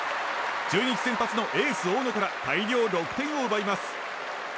中日先発のエース大野から大量６点を奪います。